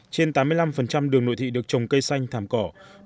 trên tám mươi năm đường nội thị được trồng cây xanh thảm cỏ